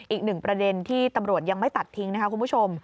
อีกหนึ่งประเด็นที่ตำรวจยังไม่ตัดทิ้งนะคะคุณผู้ชม